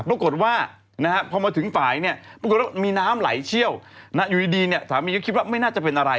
ปรากฏว่าพอมาถึงฝ่ายเนี่ยปรากฏว่ามีน้ำไหลเชี่ยวอยู่ดีเนี่ยสามีก็คิดว่าไม่น่าจะเป็นอะไร